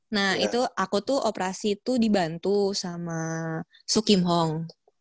nah itu aku tuh operasi tuh dibantu sama sukim hong